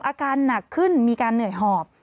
อาการหนักขึ้นมีการเหนื่อยหอบ